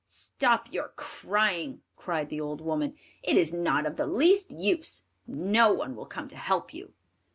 "Stop your crying!" cried the old woman; "it is not of the least use, no one will come to help you."